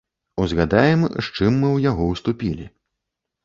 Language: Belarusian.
Узгадаем, з чым мы ў яго ўступілі.